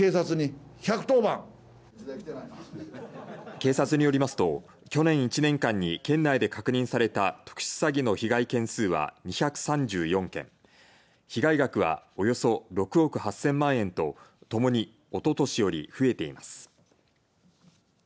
警察によりますと去年１年間に県内で確認された特殊詐欺の被害件数は２３４件被害額はおよそ６億８０００万円とともにおととしより増えています。